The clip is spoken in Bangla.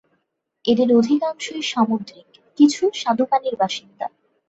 এদের অধিকাংশই সামুদ্রিক, কিছু স্বাদুপানির বাসিন্দা।